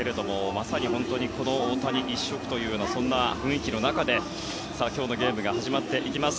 まさに大谷一色というようなそんな雰囲気の中で今日のゲームが始まっていきます。